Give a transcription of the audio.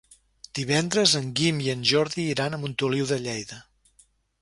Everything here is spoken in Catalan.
Divendres en Guim i en Jordi iran a Montoliu de Lleida.